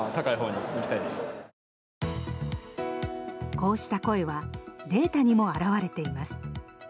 こうした声はデータにも表れています。